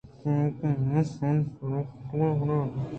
چیاکہ منا شیر درگیٛجگیی نہ اِنت